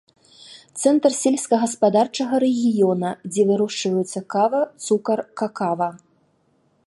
Цэнтр сельскагаспадарчага рэгіёна, дзе вырошчваюцца кава, цукар, какава.